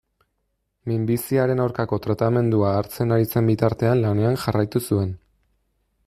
Minbiziaren aurkako tratamendua hartzen ari zen bitartean lanean jarraitu zuen.